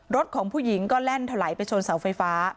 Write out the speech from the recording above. รถของผู้หญิงก็แล่นถลายไปชนเสาไฟฟ้า